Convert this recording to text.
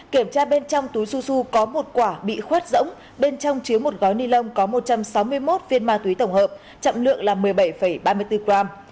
kiểm tra bên trong túi su su có một quả bị khuét rỗng bên trong chứa một gói ni lông có một trăm sáu mươi một viên ma túy tổng hợp trọng lượng là một mươi bảy ba mươi bốn gram